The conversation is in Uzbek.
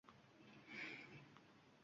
“Dooset daram, dooset daram…”